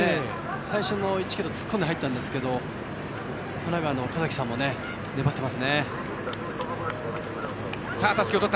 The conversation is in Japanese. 最初の１ｋｍ突っ込んで入ったんですが神奈川の岡崎さんも粘っています。